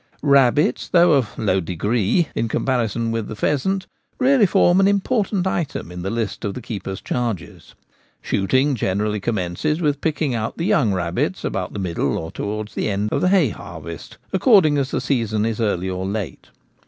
Rabbits, although of 'low degree' in comparison with the pheasant, really form an important item in the list of the keeper's charges. Shooting generally commences with picking out the young rabbits about the middle or towards the end of the hay harvest, according as the season is early or late.